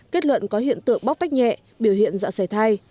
kết luận có hiện tượng bóc tách nhẹ biểu hiện dọa sầy thai